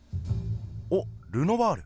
おっルノワール。